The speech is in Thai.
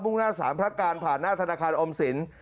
่งหน้าสารพระการผ่านหน้าธนาคารออมสิน